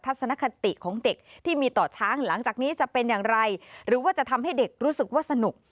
สนคติของเด็กที่มีต่อช้างหลังจากนี้จะเป็นอย่างไรหรือว่าจะทำให้เด็กรู้สึกว่าสนุก